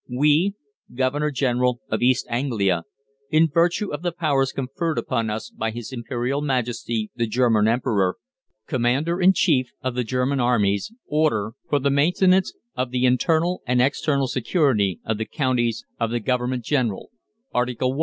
WE, GOVERNOR GENERAL OF EAST ANGLIA, in virtue of the powers conferred upon us by His Imperial Majesty the German Emperor, Commander in Chief of the German Armies, order, for the maintenance of the internal and external security of the counties of the Government General: ARTICLE I.